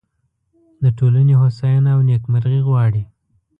د ټولنې هوساینه او نیکمرغي غواړي.